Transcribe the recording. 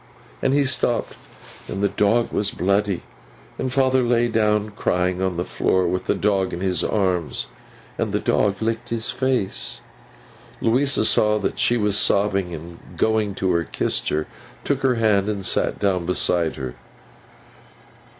And he stopped, and the dog was bloody, and father lay down crying on the floor with the dog in his arms, and the dog licked his face.' Louisa saw that she was sobbing; and going to her, kissed her, took her hand, and sat down beside her.